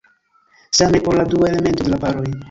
Same por la dua elemento de la paroj.